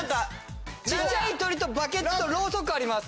小っちゃい鳥とバケツとろうそくあります。